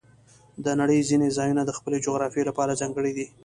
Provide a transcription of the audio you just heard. د نړۍ ځینې ځایونه د خپلې جغرافیې لپاره ځانګړي دي.